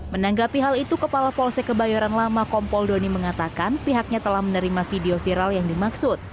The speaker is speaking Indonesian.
menanggapi hal itu kepala polsek kebayoran lama kompol doni mengatakan pihaknya telah menerima video viral yang dimaksud